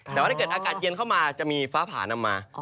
แต่ว่าถ้าเกิดอากาศเย็นเข้ามาจะมีฟ้าผ่านำมา